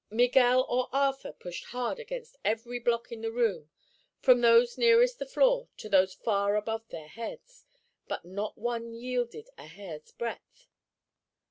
Miguel or Arthur pushed hard against every block in the room, from those nearest the floor to those far above their heads; but not one yielded a hair's breadth.